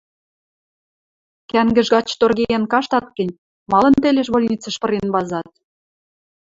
Кӓнгӹж гач торгеен каштат гӹнь, малын телеш больницӹш пырен вазат?